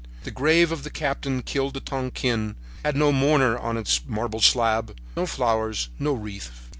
The grave of the captain killed at Tonquin had no mourner on its marble slab, no flowers, no wreath.